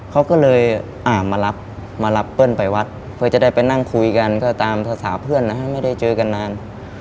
เขาก็เลยมารับมารับเปิ้ลไปวัดเพื่อจะได้ไปนั่งคุยกันก็ตามภาษาเพื่อนนะฮะไม่ได้เจอกันนาน